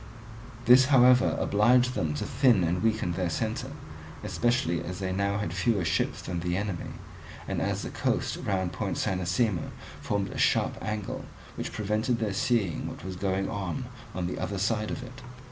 This, however, obliged them to thin and weaken their centre, especially as they had fewer ships than the enemy, and as the coast round Point Cynossema formed a sharp angle which prevented their seeing what was going on on the other side of it.